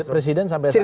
presiden sampai saat ini